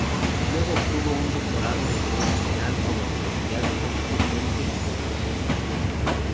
Luego obtuvo un doctorado en derecho penal por la Universidad Complutense de Madrid, España.